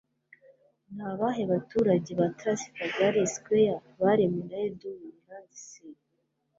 Ni abahe baturage ba Trafalgar Square baremwe na Edwin Landseer?